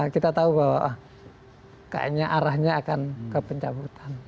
kita tahu bahwa kayaknya arahnya akan ke pencabutan